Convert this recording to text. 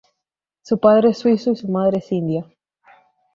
Su padre es suizo y su madre es india.